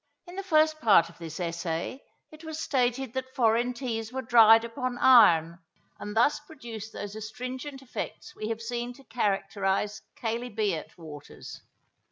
In the first part of this Essay, it was stated that foreign teas were dried upon iron, and thus produced those astringent effects we have seen to characterize chalybeate waters.